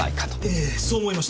ええそう思いました。